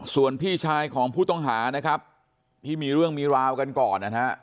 ส่วนพี่ชายของผู้ต้องหานะครับที่มีเรื่องมีราวกันก่อนนะฮะ